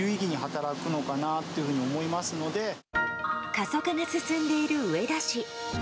過疎化が進んでいる上田市。